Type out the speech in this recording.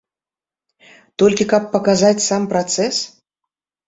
Толькі каб паказаць сам працэс?